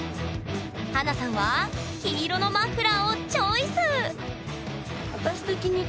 華さんは黄色のマフラーをチョイス！